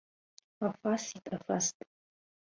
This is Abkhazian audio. Аф асит, аф аст!